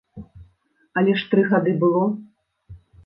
Але ж тры гады было.